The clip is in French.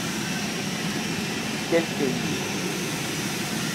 Quelques livres.